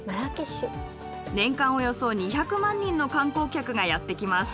年間およそ２００万人の観光客がやって来ます。